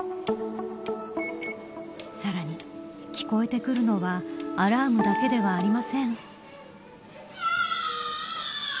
さらに、聞こえてくるのはアラームだけではありません。